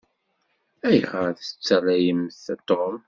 Ayɣeṛ i teṭṭalayemt Tom?